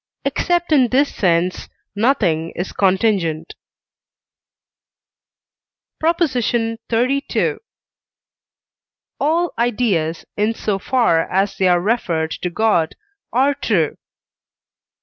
except in this sense, nothing is contingent. PROP. XXXII. All ideas, in so far as they are referred to God, are true.